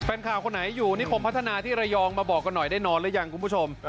ข่าวคนไหนอยู่นิคมพัฒนาที่ระยองมาบอกกันหน่อยได้นอนหรือยังคุณผู้ชม